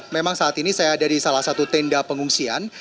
memang saat ini saya ada di salah satu tenda pengungsian